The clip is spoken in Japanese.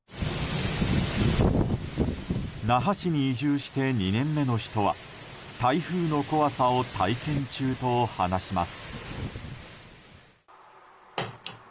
那覇市に移住して２年目の人は台風の怖さを体験中と話します。